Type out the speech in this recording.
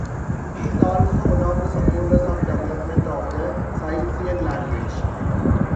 He is also one of the supporters of development of the Silesian language.